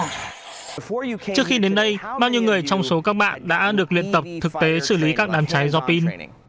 trước khi đến đây bao nhiêu người trong số các bạn đã được luyện tập thực tế xử lý các đám cháy do pin